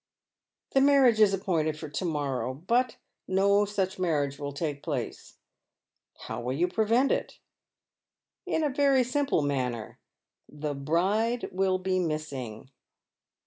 " The marriage is appointed for to morrow, but no such marriage will take place." " How will you prevent it ?"*' In a very simple manner. The bride will be missing."